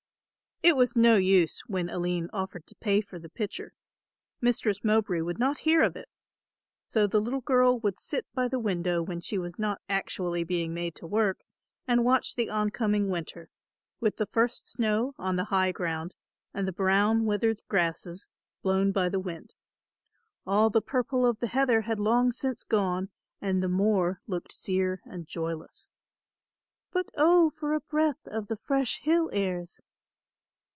It was no use, when Aline offered to pay for the pitcher. Mistress Mowbray would not hear of it. So the little girl would sit by the window when she was not actually being made to work and watch the oncoming winter, with the first snow on the high ground and the brown withered grasses blown by the wind. All the purple of the heather had long since gone and the moor looked sere and joyless. "But, oh, for a breath of the fresh hill airs."